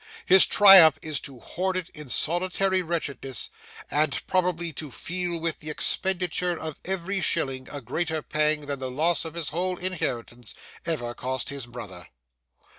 His triumph is to hoard it in solitary wretchedness, and probably to feel with the expenditure of every shilling a greater pang than the loss of his whole inheritance ever cost his brother.